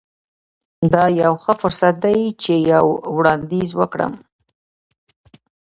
دا یو ښه فرصت دی چې یو وړاندیز وکړم